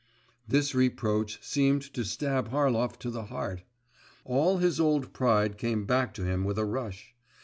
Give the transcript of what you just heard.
…' This reproach seemed to stab Harlov to the heart. All his old pride came back to him with a rush.